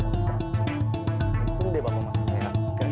untung deh pak masih sehat